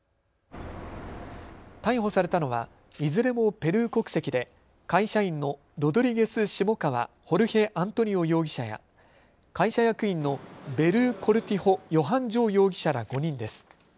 逮捕されたのはいずれもペルー国籍で会社員のロドリゲス・シモカワ・ホルヘ・アントニオ容疑者や会社役員のベルー・コルティホ・ヨハン・ジョー容疑者ら５人です。